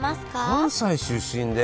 関西出身で？